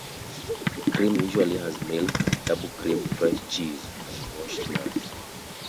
The cream usually has milk, double cream, fresh cheese and washed nuts.